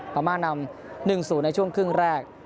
พระมาตรนำหนึ่งสูตรในช่วงครึ่งแรก